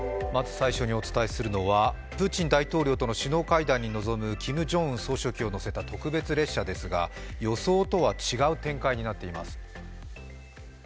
まず最初にお伝えするのは、プーチン大統領との首脳会談に臨むキム総書記を乗せた特別列車ですが予想とは違う展開になっています。